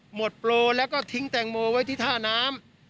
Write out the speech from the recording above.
หมดโปรแล้วก็ทิ้งแตงโมไว้ที่ท่าน้ำ